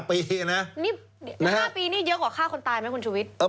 ๕ปีนี่เยอะกว่าฆ่าคนตายไหมคุณชุวิต